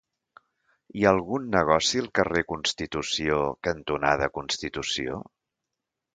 Hi ha algun negoci al carrer Constitució cantonada Constitució?